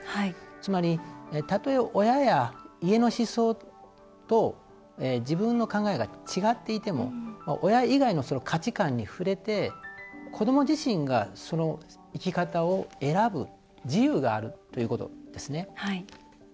つまり、たとえ親や家の思想と自分の考えが違っていても親以外の価値観に触れて子ども自身がその生き方を選ぶ自由があるということですね。